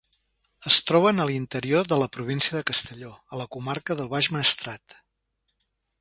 Es troben a l'interior de la província de Castelló, a la comarca del Baix Maestrat.